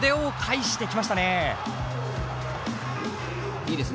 いいですね